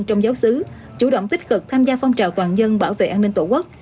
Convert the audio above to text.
trong giáo sứ chủ động tích cực tham gia phong trào toàn dân bảo vệ an ninh tổ quốc